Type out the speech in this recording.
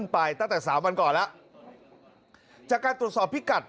หาวหาวหาวหาวหาวหาวหาวหาวหาวหาว